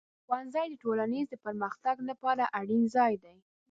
ښوونځی د ټولنیز پرمختګ لپاره اړین ځای دی.